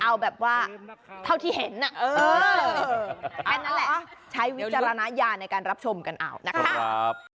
เอาแบบว่าเท่าที่เห็นอันนั้นแหละใช้วิจารณญาณในการรับชมกันเอานะคะ